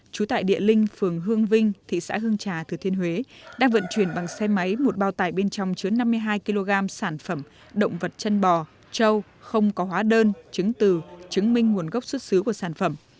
trú tại địa linh phường hương vinh thị xã hương trà thừa thiên huế đang vận chuyển bằng xe máy một bao tải bên trong chứa năm mươi hai kg sản phẩm động vật chân bò châu không có hóa đơn chứng từ chứng minh nguồn gốc xuất xứ của sản phẩm